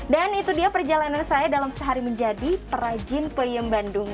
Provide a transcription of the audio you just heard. dan itu dia perjalanan saya dalam sehari menjadi perajin payam bandung